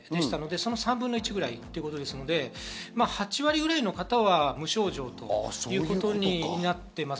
その３分の１ぐらいということですので８割くらいの方は無症状ということになっています。